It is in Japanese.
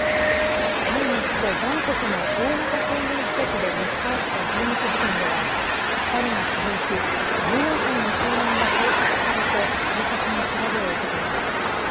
タイの首都バンコクの大型商業施設で３日、起きた銃撃事件では２人が死亡し１４歳の少年が拘束されて警察の調べを受けています。